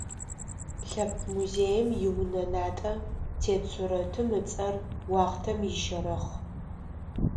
Лъэпкъ музейм иунэ натӏэ тет сурэтым ыцӏэр «Уахътэм ищэрэхъ».